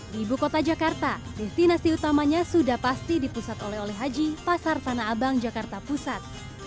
di ibu kota jakarta destinasi utamanya sudah pasti dipusat oleh oleh haji pasar tanah abang jakarta pusat